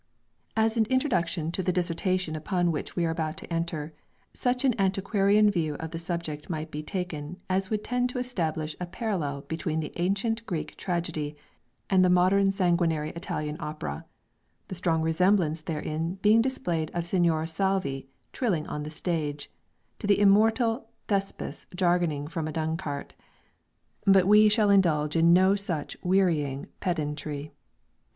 As an introduction to the dissertation upon which we are about to enter, such an antiquarian view of the subject might be taken as would tend to establish a parallel between the ancient Greek tragedy and the modern sanguinary Italian opera, the strong resemblance therein being displayed of Signor Salvi trilling on the stage, to the immortal Thespis jargoning from a dung cart. But we shall indulge in no such wearying pedantry.